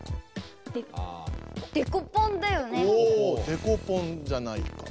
デコポンじゃないか。